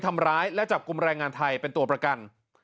ทำร้ายและจับกลุ่มแรงงานไทยเป็นตัวประกัน